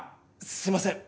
すみません！